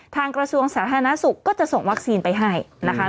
กระทรวงสาธารณสุขก็จะส่งวัคซีนไปให้นะคะ